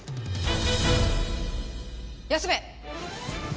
休め！